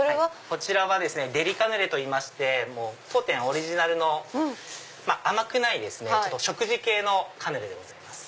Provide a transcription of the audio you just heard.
こちらはデリカヌレといいまして当店オリジナルの甘くない食事系のカヌレでございます。